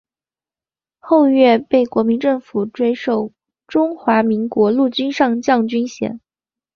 后岳被国民政府追授中华民国陆军上将军衔。